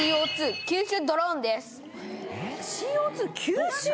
ＣＯ２吸収？